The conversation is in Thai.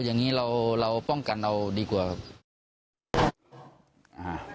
อย่างนี้เราเราป้องกันเอาดีกว่าครับ